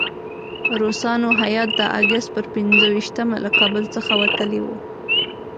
روسانو هیات د اګست پر پنځه ویشتمه له کابل څخه وتلی وو.